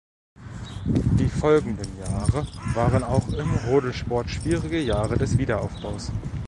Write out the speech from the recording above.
Die folgenden Jahre waren auch im Rodelsport schwierige Jahre des Wiederaufbaus.